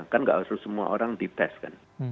kan nggak harus semua orang dites kan